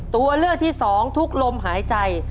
ตัวเลือกที่สองทุกลมหายใจ